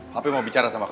papi mau bicara sama aku